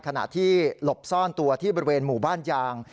ขณะที่หลบซ่อนตัวที่บริเวณหมู่บ้านยาง